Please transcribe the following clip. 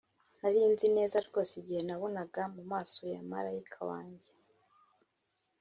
nari nzi neza rwose igihe nabonaga mumaso ya marayika wanjye.